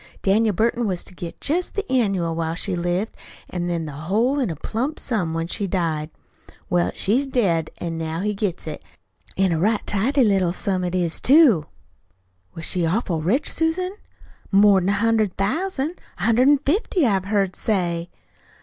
Daniel Burton was to get jest the annual while she lived, an' then the whole in a plump sum when she died. Well, she's dead, an' now he gets it. An' a right tidy little sum it is, too." "Was she awful rich, Susan?" "More'n a hundred thousand. A hundred an' fifty, I've heard say."